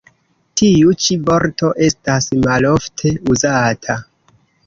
Tiu ĉi vorto estas malofte uzata.